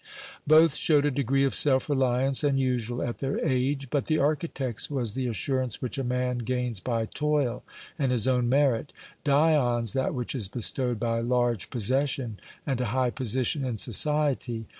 Both showed a degree of self reliance unusual, at their age; but the architect's was the assurance which a man gains by toil and his own merit, Dion's that which is bestowed by large possession and a high position in society.